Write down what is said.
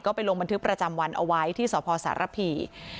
ไปลงบันทึกประจำวันเอาไว้ที่สพสารพี